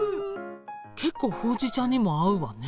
結構ほうじ茶にも合うわね。